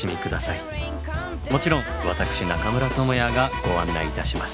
もちろん私中村倫也がご案内いたします。